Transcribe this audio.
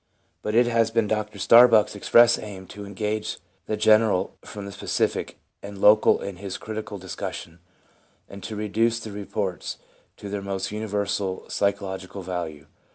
But it has been Dr Starbuck's express aim to dis engage the general from the specific and local in his critical discussion, and to reduce the reports to their most universal psychological value.